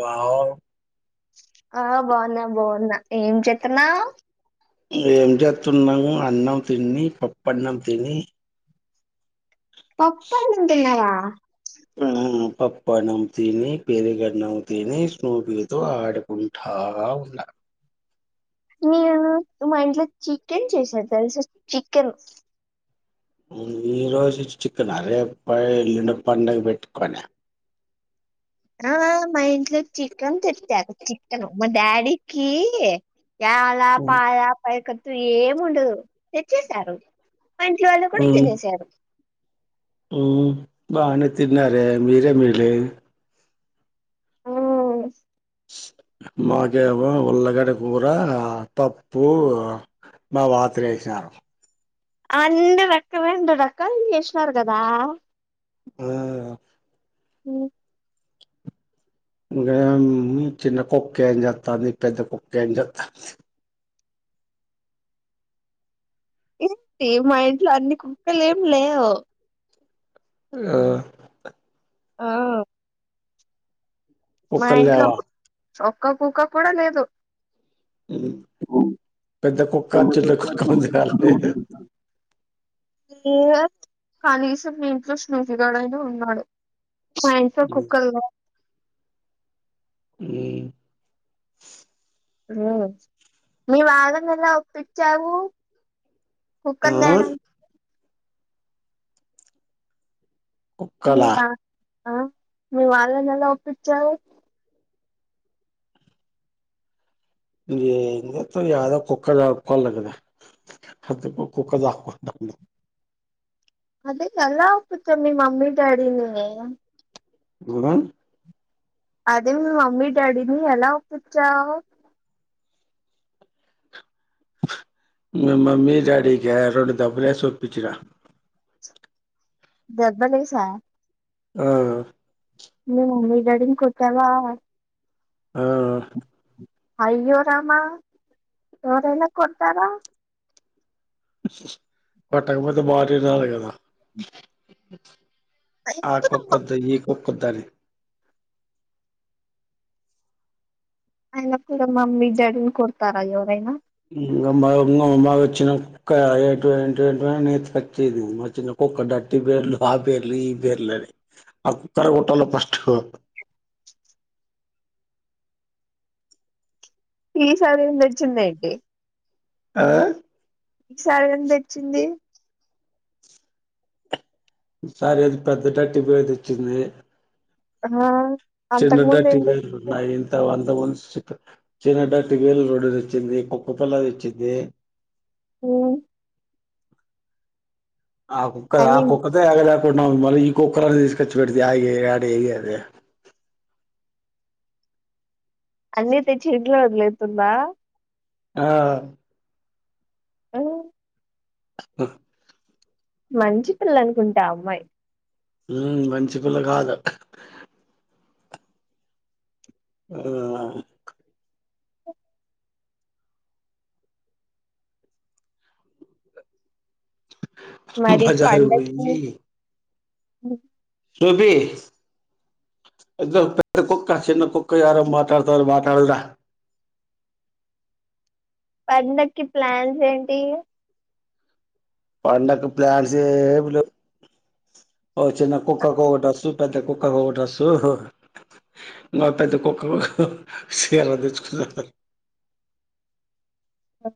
Wow ఆ బావున్నా, బావున్నా. ఏం చెత్తున్నావ్? ఏం చేస్తున్నాము అన్నం తిని పప్పు అన్నం తిని పప్పన్నం తిన్నవా ఆ ఆ పప్పు అన్నం తిని పెరుగ ఆన్నం తిని స్నూపితో ఆడుకుంటా ఉన్నా నేను మా ఇంట్లో చికెన్ చేసాను తెలుస చికెన్ ఈ రోజు చికెన్ ఆ రేపు ఎల్లుండి పండుగ పెట్టుకొని ఆ మా ఇంట్లో చికెన్ తెచ్చారు చికెన్ మా డాడీకి యాలా పాల [unintelligible] ను ఏముండదు తెచ్చసారు మంచి వాళ్ళు కూడా తినేశారు ఉ బానే తిన్నారే మిరేమేలే ఆ మాకేమో ఉల్లగడ్డ కూర పప్పు మా వాతిరేసరు అం రడెక్క రం రడెక్క చేసినారు కదా ఆ మ్ ఇంకా చిన్న కుక్కే అని చెస్తంది పెద్ద కుక్కే అని చెస్తంది ఏంటి మా ఇంట్లో అన్ని కుక్కలు ఏమి లేవు ఆ ఆ కుక్కలులేవా చోక్క కూక్క కూడా లేదు [inaudible] పెద్ద కుక్క చిన్న కుక్క ఉందిలే కనీసం ఇంట్లో స్నేజిగాడైనా ఉన్నాడు మస కుకల్ మ్ నీ వాగం ఎలా ఒప్పించావు కుక్కలు ఆ తవడానికి మీ కుక్కలా వా ఆ మీ వాళ్ళని ఎలా ఒప్పించారు తో ద కుక్క దకోగద అ కుక్క ద అదే ఎలా పచ్చం మీ మమ్మీ డాడీని గుదం అదే మీ మమ్మీ డాడీని ఎలా ఒపించావ్ మమ్మీ డాడిక యారోడ దప్పులే ఓపించిన జబ్బలేసా ఆ మ్ రిగర్డింగ్ కొత్తగా ఆ అయ్యోరమా ఎవరెలా కొడతారా వాట్టాగాపోంత బార నినా క ఆయన కూడా ఆకప్పద్తు ఈ ఒక్కదన్ అయిన కూడా మమ్మీ డాడీని కొడతారా ఎవరైనా ఇమ్మా ఇమ్మా వచ్చిన కుక్క ఏ ఏ ఏని తచ్చేది మా చిిన కుక్క ట్టి బేర్లు ఆ బేర్లు ఈ బేర్లు అని ఆ కుక్కర కుట్టలో ఫస్ట్ ఈ సారేం దెచ్చిందేంటి ఆ ఈసారి ఏం దెచ్చింది సారి అది పెద్దడటి బేర్ దెచ్చింది ఆ అంతకుముందు ఏం చిన్నడ్డట్టి బేర్లు చేస్తుంది? నా ఇంత అంత ము చినడ టివవేల రోడ్డుది వచ్చింది కుక్కపల్ల దెచ్చింది మ్ ఆ కుక్క ఆ అన్ని కుక్కతే అ మరీ కుక్క [unintelligible] తీస్కచ్చి పెడితె యాడేగేది అన్నీ తెచ్చి ఇంట్లో వదిలేస్తుందా ఆ అవు ఆ మంచి పిల్ల అనుకుంటా అమ్మాయి మ్ మంచిపిల్ల కాదు ఆ బజారు వొయ్యి ఉం రూబి పెద్ద కుక్క చిన్న కుక్క యారు మాట్లాడతారు మాటాడు ర పండక్కి ప్లాన్స్ ఏంటి పండకు ప్లాన్స్ ఏం లెవ్ ఓ చిన్న కుక్క కోటస్తు పెద్ద కు క్కకొ డ్రస్సు ఇంకా పెద్ద కుక్కకొక సీర తెచ్చుకు ఆ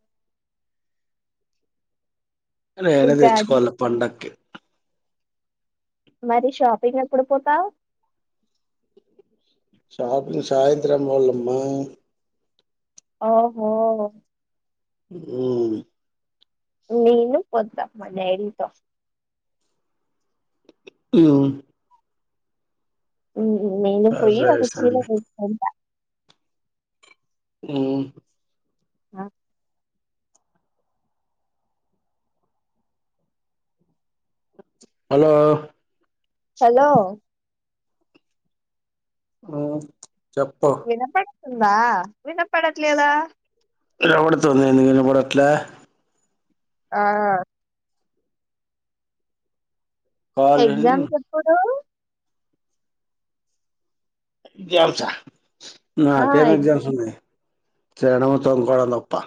నేనే ఉగాది. తెచ్చుకోవాలి పండక్కి మరి షాపింగ్ ఎప్పుడు పోతావు షాపింగ్ సాయంత్రం బోల్లమ్మా ఓహో ఉం నీను పొత్త మ డేడితో ఉం ఉం నేను పోయి సరే ఒక చీర సరే తెచ్చ్కుంట ఉం ఆ హలో హలో ఆ చెప్పు ఉందా వినప్పడట్లేదా వినపడ్తుంది ఎందుకు వినపడట్లే ఆ కాల్ ఇన్ ఎగ్జామ్స్ ఎప్పుడు [inaudible] ఆ! నాకేం ఎగ్ ఎగ్జామ్స్ ఉన్నాయి తినడం తొంగొడంతప్పా.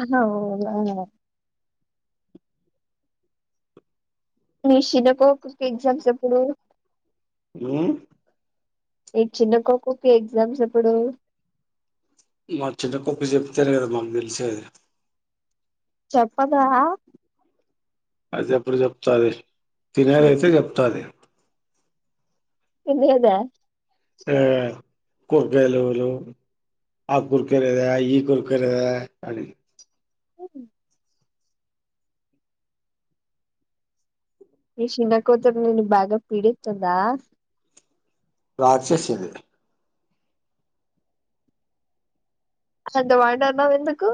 అహ ఓ... నీ చిన్నప్ క్కోక్క్ కి ఎగ్ఙమ్స్ ఎప్పుడు హ్మ్ ఈ చిన్న కోక్కుకి ఎగ్జామ్స్ ఎప్పుడు మా చిన్న కొక్కు చెప్తేనే కదా మాకు తెలిసేది. చెప్పదా అది ఎప్పుడు చెప్తది తినేదైతే చెప్తాది. తినేదా.. ఆ కుర్కయలులు ఆ కుర్కయ లేదా ఈ కుర్కయ లేదా అనెది. [inaudible] నీ చిన్నకూతురు నిన్ను బాగా పిడిీస్తుందా రాక్షసిది అంత మాటన్నవెందుకు.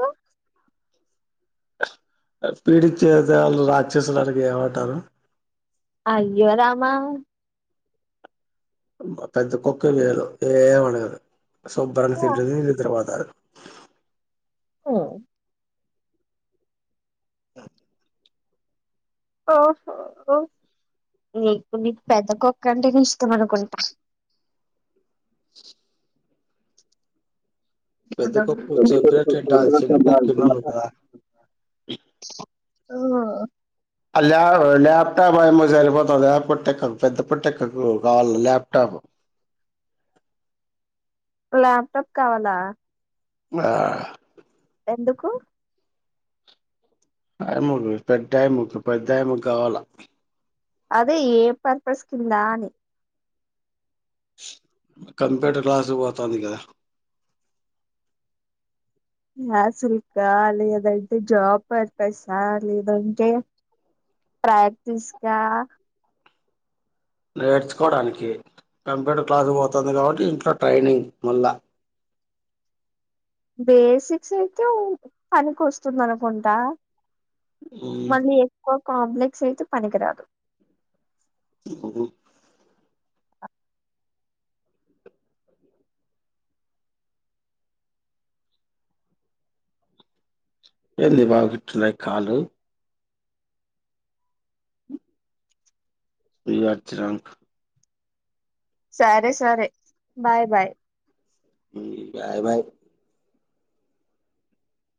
పీడిచ్చెవాళ్ళు రాక్షసులనక ఇంకెమంటారు. అయ్యో రామా! మా పెద్ద కొక్కే మేలు ఏమడగదు సుబ్బరంగా తింటది నిద్ర పోతారు హ్మ్ [inaudible] ఓహో ఓ నీకు నీ పెద్ద కుక్కంటేనే ఇష్టం అనుకుంట పెద్ద కుక్క చెప్పినట్టు వింటాది చిన్న కుక్క వినదు [inaudible] కదా అవ్వ అల్ ల్యాప్టాప్ ఏమో సరిపోతాద పోట్టెక్కకు పెద్ద పోట్టెక్కకు కావాల ల్యాప్టాప్. లాప్టాప్ కవలా ఆ... ఎందుకు [unintelligible] పెద్దమకు ముకు పెద్దముకు కావాల. అదే ఏ పర్పస్ కిందా అని కంప్యూటర్ క్లాసు పోతంది కదా క్లాసుల్కా లేదంటే జాబ్ పర్పసా లేదంటే ప్రాక్టీస్ కా నేర్చుకోవడానికి కంప్యూటర్ క్లాసు పోతంది కాబట్టి ఇంట్లో ట్రైనింగ్ మళ్ళ బేసిక్స్ అయితే ఓ పనికి వస్తుంది అనుకుంటా మళ్ళీ ఎప్ఫ కోంప్లెక్స్ అయితే పనికరాదు. హ్మ్ హ్మ్ ఎన్ని ఈ పాపకిట్లున్నాయి కాళ్ళు. వియార్ చరం. సరే సరే బాయ్ బాయ్. Bye bye